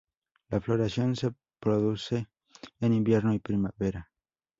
La floración se produce en invierno y primavera.